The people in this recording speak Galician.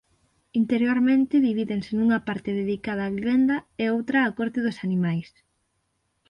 Interiormente divídense nunha parte dedicada á vivenda e outra á corte dos animais.